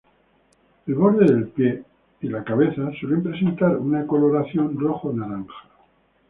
El borde del pie y la cabeza suele presentar una coloración rojo-naranja.